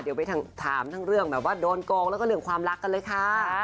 เดี๋ยวไปถามทั้งเรื่องโดนโค้งและเรื่องความรักกันเลยค่ะ